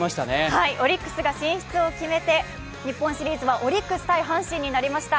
はい、オリックスが進出を決めて、日本シリーズはオリックス×阪神となりました